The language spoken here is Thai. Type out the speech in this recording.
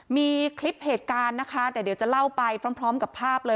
มีคลิปเหตุการณ์นะคะแต่เดี๋ยวจะเล่าไปพร้อมกับภาพเลย